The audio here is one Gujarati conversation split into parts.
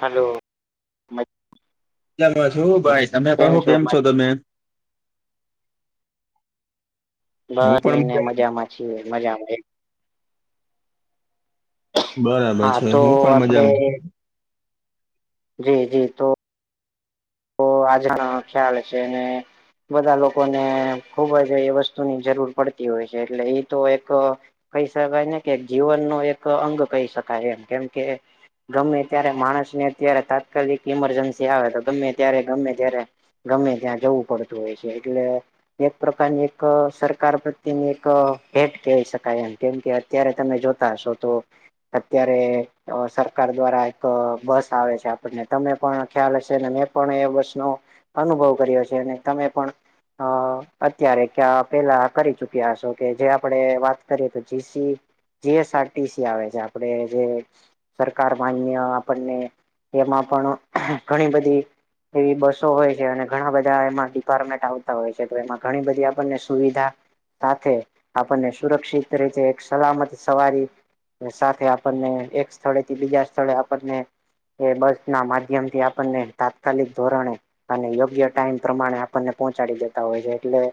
હલો [unintelligible] ભાઈ તમે કહો કેમ છો તમે. હું બ પણ ને મજામાં છી મજા આવે. બરાબર હા છે, તો હું પણ આપડે મજામાં. [unintelligible] તો. તો આજણ ખ્યાલ છે, ને. બધા લોકોને ખુબ જ એ વસ્તુની જરૂર પડતી હોય છે, એટલે એ તો એક. કહી શકાય ને કે જીવન ન એક અંગ કહી શકાય એમ કેમ કે. ગમે ત્યારે માણસને અત્યારે તાત્કાલિક ઇમરજન્સી આવે તો ગમે ત્યારે ગમે ત્યારે. ગમે ત્યાં જવું પડતું હોય છે, એટલે. એક પ્રકારની એક સરકાર પ્રત્યેની એક ભેટ કહી શકાય એમ કેમ કે. અત્યારે તમે જોતા હશો તો. અત્યારે અ સરકાર દ્વારા એક બસ આવે છે આપણને તમે પણ ખ્યાલ હશે ને મે. પણ એ બસ નો અનુભવ કર્યો છે અને તમે પણ અ અત્યારે ક્યાં પેલા કરી ચુક્યા છો કે જે આપડ વાત કરીએ તો જીસી. જી એસઆરટીસી આવે છે, આપડે જે. સરકાર માન્ય આપણને એમાં પણ ઘણી બધી. એવી બસો હોય છે, અને ઘણા બધા એમાં ડિપાર્ટમેન્ટ આવતા હોય છે, તો એમાં ઘણી બધી આપણને સુવિધા. સાથે આપણને સુરક્ષિત રીતે એક સલામત સવારી. સાથે આપણને એક સ્થળેથી બીજા સ્થળે આપણને એ બસ ના માધ્યમથી આપણને. તાત્કાલિક ધોરણે અને યોગ્ય ટાઈમ પ્રમાણે આપણને પહોંચાડી દેતા હોય છે એટલે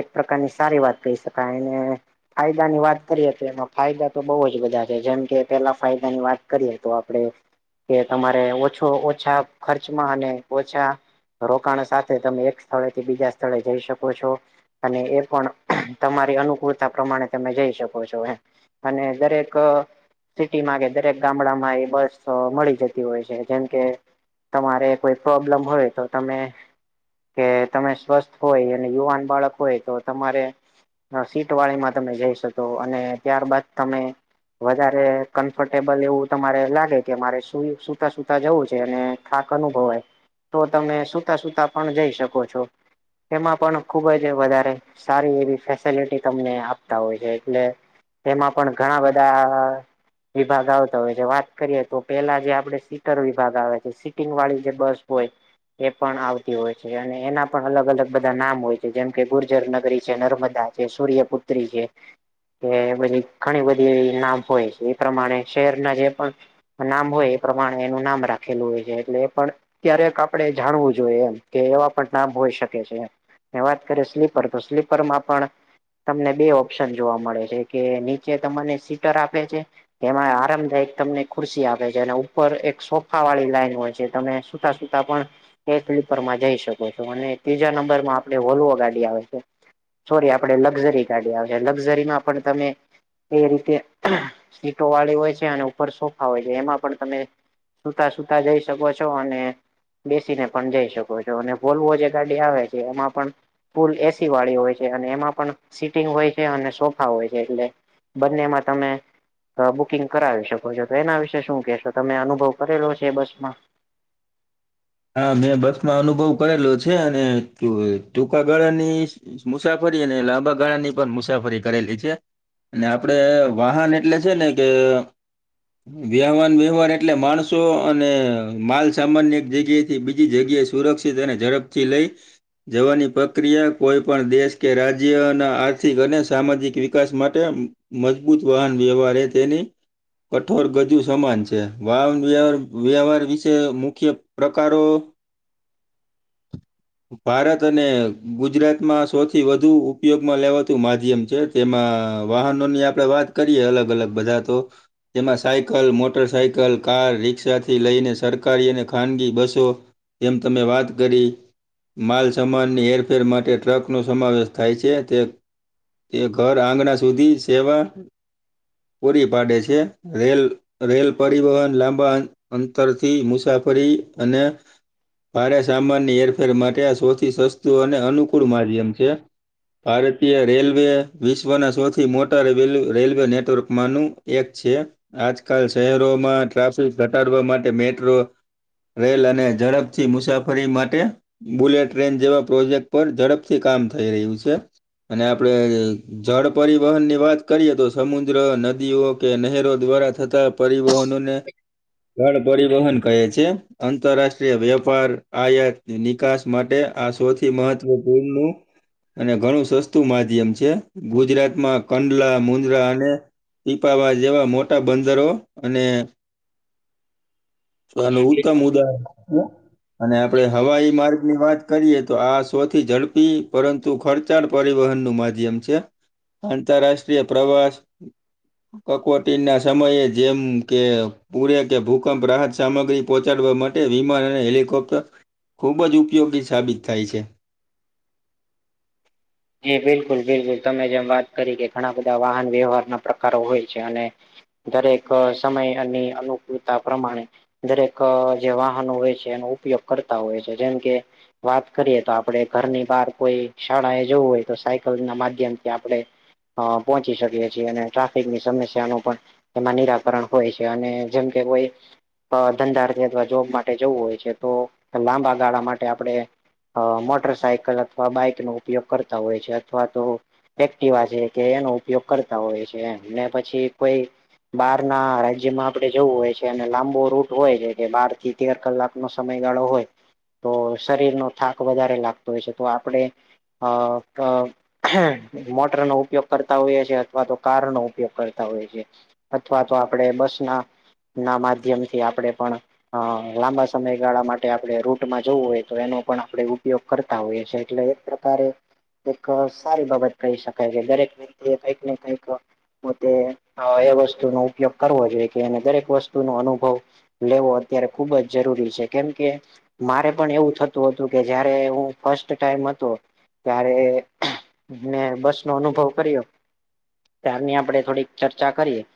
એક પ્રકારની સારી વાત કહી શકાય અને ફાયદા ની વાત કરીએ તો એમાં ફાયદા તો બહુ જ બધા છે જેમ કે પેલા ફાયદા ની વાત કરીએ તો આપડે કે તમારે ઓછો ઓછા ખર્ચમાં અને ઓછા રોકાણ સાથે તમે એક સ્થળેથી બીજા સ્થળે જઈ શકો છો. અને એ પણ તમારી અનુકૂળતા પ્રમાણે તમે જઈ શકો છો એમ. અને દરેક. સિટી માં કે દરેક ગામડામાં એ બસ તો મળી જતી હોય છે જેમ કે. તમારે કોઈ પ્રોબ્લમ હોય તો તમે. કે તમે સ્વસ્થ હોય અને યુવાન બાળક હોય તો તમારે અ સીટવાળીમાં તમે જઈ શકો અને ત્યારબાદ તમે વધારે કમ્ફર્ટેબલ એવું તમારે લાગે કે મારે સુઈ સુતા સુતા જવું છે અને થાક અનુભવે. તો તમે સુતા સુતા પણ જઈ શકો છો એમાં પણ ખુબ જ વધારે સારી એવી ફેસલિટી તમને આપતા હોય છે એટલે તેમાં પણ ઘણા બધા વિભાગ આવતા હોય છે વાત કરીએ તો પેલા જે આપડે સીટર વિભાગ આવે છે સીટિંગ વાળી જે બસ હોય. એ પણ આવતી હોય છે અને એના પણ અલગ અલગ બધા નામ હોય છે જેમ કે ગુર્જર નગરી છે નર્મદા. જે સૂર્યપુત્રી કે. કે બધી ઘણી બધી એ ના હોય છે એ પ્રમાણે શહેરના જે પણ નામ હોય એ પ્રમાણે એનું નામ રાખેલું હોય છે એટલે એ પણ ક્યારેક આપડે જાણવું જોઈએ એમ કે એવા પણ નામ હોઈ શકે છે એમ. વાત કરીએ સ્લીપર તો સ્લીપર માં પણ તમને બે ઓપ્શન જોવા મળે છે કે નીચે તમને સીટર આપે છે. એમાં આરામદાયક તમને ખુરશી આપે છે અને ઉપર એક સોફા વાળી લાઈન હોય છે તમે સુતા સુતા પણ એ સ્લીપર માં જઈ શકો છો અને ત્રીજા નંબરમાં આપે વોલ્વો ગાડી આવે છે. સોરી આપડે લકઝરી ગાડી આવેશે લકઝરીમાં પણ તમે એ રીતે સીટો વાળી હોય છે અને ઉપર સોફા હોય છે એમાં પણ તમે. સુતા સુતા જઈ શકો છો અને. બેસીને પણ જઈ શકો છો અને વોલવો જે ગાડી આવે છે એમાં પણ ફૂલ એસી વાળી હોય છે અને એમાં પણ સીટિંગ હોય છે અને સોફા હોય છે એટલે બંને માં તમે. બુકિંગ કરાવી શકો છો તો એના વિશે શું કેહેશો તમે અનુભવ કરેલો છે બસ માં. હા મેં બસ માં અનુભવ કરેલો છે અને ટૂંકા ગાળાની. મુસાફરી અને લાંબા ગાળા ની પણ મુસાફરી કરેલી છે. અને આપડે વાહન એટલે છે ને કે. વ્યવવાન વ્યવહાર એટલે માણસો અને માલ સામાન્ય એક જ. થી બીજી જગ્યાએ સુરક્ષિત અને ઝડપથી લઈ જવાની પ્રક્રિયા કોઈ પણ દેશ કે રાજ્યના આર્થિક અને સામાજિક વિકાસ માટે મજબૂત વાહન વ્યવહાર એ તેની કઠોર ગજુ સમાન છે વાહન વ્યવહાર વિશે મુખ્ય પ્રકારો. [unintelligible] ભારત અને ગુજરાતમાં સૌથી વધુ ઉપયોગમાં લેવાતું માધ્યમ છે. જેમાં વાહનોની આપણે વાત કરીએ અલગ અલગ બધા તો. તેમાં cycle, motor cycle, car, rickshaw થી લઈને સરકારીને. ખાનગી બસો એમ તમે વાત કરી માલસામાનની હેરફેર માટે ટ્રક નો સમાવેશ થાય છે તે તે ઘર આંગણા સુધી સેવા પૂરી પાડે છે રેલ રેલ પરિવહન લાંબા અંતરથી મુસાફરી અને ભારે સામાનની હેરફેર માટે આ સૌથી સસ્તું અને અનુકૂળ માધ્યમ છે. ભારતીય રેલવે વિશ્વના સૌથી મોટા રેલવે નેટવર્કમાંનું એક છે. આજકાલ શહેરોમાં ટ્રાફિક ઘટાડવા માટે મેટ્રો રેલ અને ઝડપથી મુસાફરી માટે બુલેટ ટ્રેન જેવા પ્રોજેક્ટ પર ઝડપથી કામ થઈ રહ્યું છે અને આપણે જળ પરિવહનની વાત કરીએ તો સમુદ્ર નદીઓ કે નહેરો દ્વારા થતાં પરિવહનોને ઘણ પરિવહન કહે છે. આંતરરાષ્ટ્રીય વેપાર આયાત નિકાસ માટે આ સૌથી મહત્વપૂર્ણ અને ઘણું સસ્તું માધ્યમ છે ગુજરાતમાં કંડલા, મુન્દ્રા અને પીપાવાવ જેવા મોટા બંદરો અને તોનું જી ઉત્તમ ઉદા અને આપણે હવાઈ માર્ગ ની વાત કરીએ તો આ સોથી ઝડપી પરંતુ ખર્ચ ળ પરિવહન નું માધ્યમ છે આંતરરાષ્ટ્રીય પ્રવાસ કટોકટી ના સમયે જેમ કે પૂર કે ભૂકંપ રાહત સામગ્રી પહોંચાડવા માટે વિમાન અને હેલિકોપ્ટર ખૂબ જ ઉપયોગી સાબિત થાય છે. એ બિલકુલ બિલકુલ તમે જેમ વાત કરી કે ઘણા બધા વાહન વ્યવહાર ના પ્રકારો હોય છે અને દરેક સમયની અનુકૂળતા પ્રમાણે દરેક જે વાહનો હોય છે એનો ઉપયોગ કરતા હોય છે જેમ કે વાત કરીએ તો આપડે ઘરની બહાર કોઈ શાળા એ જોવું હોય તો સાયકલ ના માધ્યમથી આપણેે પહોંચી શકીએ છીએ અને ટ્રાફિકની સમસ્યા નુ પણ એમાં નિરાકરણ હોય છે અને જેમ કે કોઈ ધંધાર્થી અથવા જોબ માટે જવું હોય છે તો લાંબા ગાળા માટે આપણે મોટર સાાયકલ અથવા બાઈકનો ઉપયોગ કરતા હોય છે અથવા તો એક્ટીવા છે કે એનો ઉપયોગ કરતા હોય છે એને પછી કોઈ બહાર ના રાજ્યમાં આપડે જવું હોય છે અને લાંબો રૂટ હોય છે કે બહાર થી અગ્યાર કલાક નો સમયગાળો હોય તો શરીરનો થાક વધારે લાગતો હોય છે તો આપણે હ મોટર નો ઉપયોગ કરતા હોઈએ છીએ અથવા તો કાર નો ઉપયોગ કરતા હોઈ છીએ અથવા તો આપણે બસના માધ્યમથી આપણે પણ લાંબા સમયગાળા માટે આપણે રૂટમાં જવું હોય તો એનો પણ આપણે ઉપયોગ કરતા હોઈએ છીએ એટલે એક સારી બાબત કહી શકાય છે દરેક વ્યક્તિ એ કંઈક ને કંઈક પોતે એ વસ્તુનો ઉપયોગ કરવો જોઈએ કે એને દરેક વસ્તુનો અનુભવ લેવો અત્યારે ખુબ જ જરૂરી છે કેમ કે મારે પણ એવું થતું હતું કે જયારે હું ફસ્ટ ટાઈમ હતો ત્યારે મેં બસ નો અનુભવ કર્યો. ત્યારની આપડે થોડીક ચર્ચા કરીએ.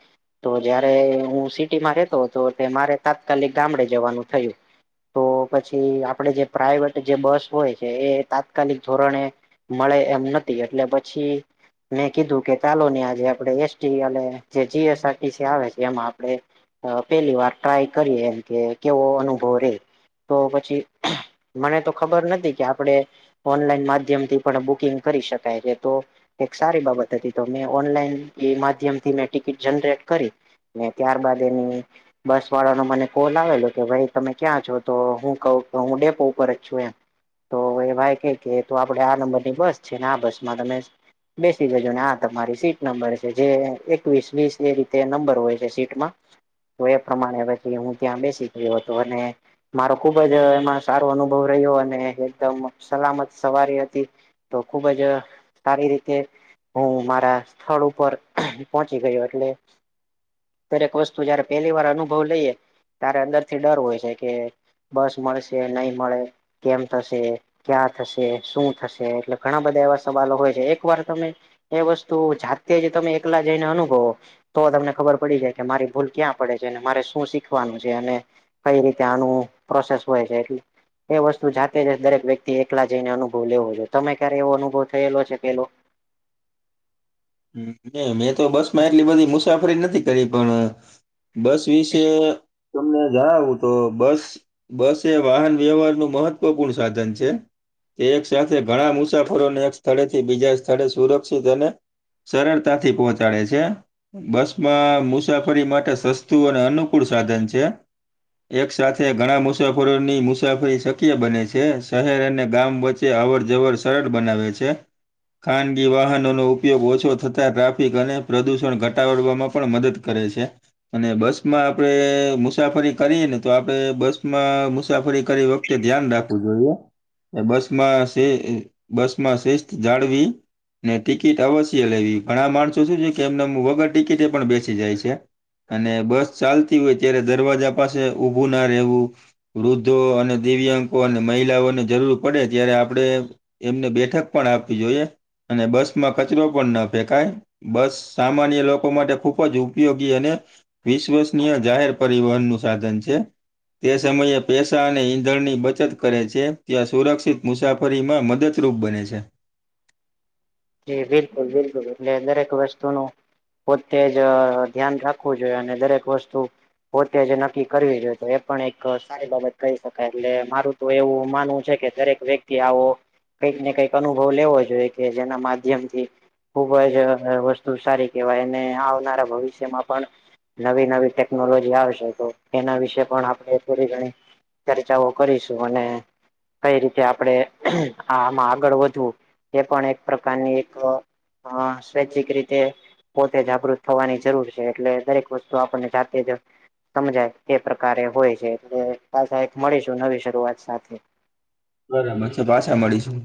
તો જયારે હું સિટીમાં રહેતો હતો એ મારે તાત્કાલિક ગામડે જવાનું થયું. તો પછી આપડે જે પ્રાાઈવેટ જે બસ હોય છે એ તાત્કાલિક ધોરણે મળે એમ નથી એટલે પછી- મેં કીધું કે કાલો આજે આપ એસટી અને જે જીસઆરસી આવે છે. એમાં આપણે- પેલી વાર ટ્રાય કરીએ એમ કે કેવો અનુભવ રે તો પછી મને તો ખબર નથી કે આપડે ઓનલાઈન માધ્યમથી પણ બુકિંગ કરી શકાય છે તો એક સારી બાબત હતી તો મે ઓનલાઈન એ માધ્યમ થી મેં ટિકિટ જનરેટ કરી ત્યારબાદ એની બસ વાળાનો મને કોલ આવેલો કે ભાઈ તમે ક્યાં છો તો હું ક હું ડેપો ઉપર જ છું એમ તો એ ભય ક કે તો આપડે આ નંબર ની બસ છે ને આ બસ માં તમે- બેસી દેજો ને આ તમારી સીટ નંબર છે જે એકવીસ વીસ એ રીતે નંબર હોય છે સીટમાં- તો એ પ્રમાણે પછી હું ત્યાં બેસી ગયો હતો અને- મારો ખુબ જ એમાં સારો અનુભવ રહ્યો અને એકદમ સલામત- સવારી હતી તો ખુબ જ સારી રીતે હું મારા સ્થળ ઉપર પહોંચી ગયો એટલે દરેક વસ્તુ જયારે પેલી વાર અનુભવ લઈએ ત્યારે અંદર થી ડર હોય છે કે બસ મળશે નહી મળે કેમ થશે ક્યાં થશે શું થશે એટલે ઘણા બધા એવા સવાલો હોય છે એક વાર તમે એ વસ્તુ જાતે જ તમે એકલા જઈને અનુભવો તો તમને ખબર પડી જાય કે મારી ભૂલ ક્યાં પડે છે અને મારે શું શીખવાનું છે અને કઈ રીતે આનું પ્રોસેસ હોય છે એટ એ વસ્તુ જાતે જ દરેક વ્યક્તિ- પટલા જઈને અનુભવ લેવો જોો ત ક્યારે એવો અનુભવ થયેલો છે પેલો મેં તો બસ માં એટલી બધી મુસાફરી નથી કરી પણ- બસ વિશે તમને જણાવું તો બસ બસ એ વાહન વ્યવહારનું મહત્વપૂર્ણ સાધન છે. એક સાથે ઘણા મુસાફરોને એક સ્થળે થી બીજા સ્થળે સુરક્ષિત અને- સરળતાથી પહોંચાડે છે. બસ માં મુસાફરી માટે સસ્તું અને અનુકૂળ સાધન છે. એક સાથે ઘણા મુસાફરોની મુસાફરી શક્ય બને છે. શહેર અને ગામ વચ્ચે- અવર જવર સરળ બનાવે છે ખાનગી વાહનોનો ઉપ- ઉપયોગ ઓછો થતા ટ્રાફિક અને પ્રદૂષણ ઘટાડવામાં પણ મદદ કરે છે. અને બસ માં આપણેે મુસાફરી કરીએ ને તો આપણે બસ માં મુસાફરી કરી વખતે- ધ્યાન રાખવું જોઈએ બસમાં બસ માં શિસ્ત જાળવી ને ટિકિટ અવશ્ય લેવી ઘણા માણસો શું છે કે એમને વગર ટિકિટ એ પણ બેચી જાય છે. અને બસ ચાલતી હોય ત્યારે દરવાજા પાસે ઊભું ના રહેવું. વૃદ્ધો અને દિવ્યાકો અને મહિલાઓને જરૂર પડે ત્યારે આપણે એમને બેઠક પણ આપવી જોઈએ અને બસ કચરો પણ ના ફેંકાય બસ સામાન્ય લોકો માટે ખૂબ જ ઉપયોગી અને વિશ્વસનીય જાહેર પરિવહન નું સાધન છે. તે સમયે પેસા અને ઈંધણની બચત કરે છે ત્યાં સુરક્ષિત મુસાફ- -ફરીમાં મદદરૂપ બને છે. જી બિલકુલ બિલકુલ એટલે દરેક વસ્તુનું. પોતે જ ધ્યાન રાખવું જોઈએ અને દરેક વસ્તુ- પોતે જે નક્કી કરવી જોઈએ તો એ પણ એક સારી બાબત કહી શકાય એટલે મારું તો એવું માનવું છે કે દરેક વ્યક્તિ આવો કઈક ને કઈક અનુભવ લેવો જોઈએ કે જેના માધ્યમથી- ખુબ જ વસ્તુ સારી કેહેવાય અને આવનારા ભવિષ્યમાં પણ- નવી નવી ટેકનોલોજી આવશે તો એના વિશે પણ આપણે થોડી ઘણી- ચર્ચાઓ કરીશું અને કઈ રીતે આપડે આ આમાં આગળ વધવું એ પણ એક પ્રકારની એક હા સ્વૈચ્છિક રીતે પોતે જાગૃત થવાની જરૂર છે એટલે દરેક વસ્તુ આપને જાતે જ સમજાય એ પ્રકારે હોય છે એટલે પાછા એક મળીશું નવી શરૂઆત સાથે બરાબર છે પાછા મળીશું.